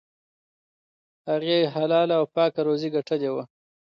هغې حلاله او پاکه روزي ګټلې وه.